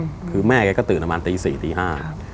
ใช่คือแม่ก็ตื่นประมาณตีสี่ตีห้า